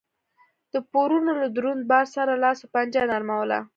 د پورونو له دروند بار سره لاس و پنجه نرموله